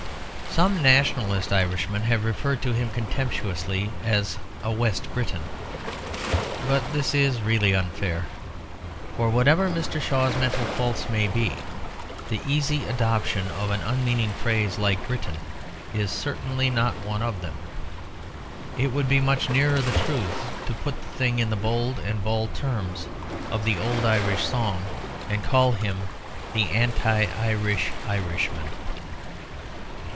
Some Nationalist Irishmen have referred to him contemptuously as a "West Briton." But this is really unfair; for whatever Mr. Shaw's mental faults may be, the easy adoption of an unmeaning phrase like "Briton" is certainly not one of them. It would be much nearer the truth to put the thing in the bold and bald terms of the old Irish song, and to call him "The anti Irish Irishman."